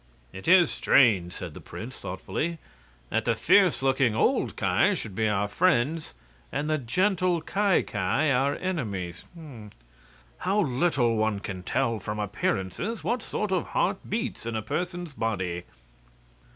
"It is strange," said the prince, thoughtfully, "that the fierce looking old Ki should be our friends and the gentle Ki Ki our enemies. How little one can tell from appearances what sort of heart beats in a person's body!"